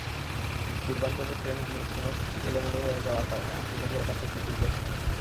পূর্বাঞ্চলের ট্রেনগুলোর সময়সূচি এলোমেলো হয়ে যাওয়ার কারণ আশুগঞ্জের কাছে একটা দুর্ঘটনা।